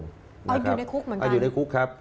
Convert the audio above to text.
อยู่ในคุกเหมือนกันอยู่ในคุกครับ